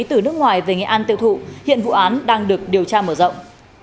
từ nước ngoài về nghệ an tiêu thụ hiện vụ án đang được điều tra mở rộng